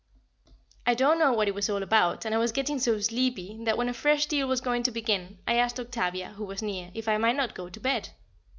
I don't know what it was all about, and I was getting so sleepy, that when a fresh deal was going to begin I asked Octavia, who was near, if I might not go to bed.